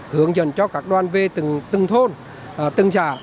hướng dẫn cho các đoàn về từng thôn từng xã